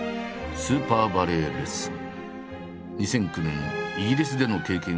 「スーパーバレエレッスン」